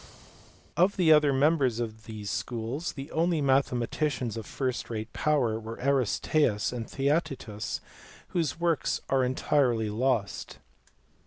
Of the other members of these schools the only mathematicians of first rate power were Aristaeus and Theaetetus, whose works are entirely lost.